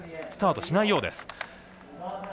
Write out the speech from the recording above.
スタートしないようです。